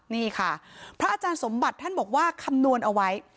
นี่ค่ะพระอาจารย์สมบัติท่านบอกว่าคำนวณเอาไว้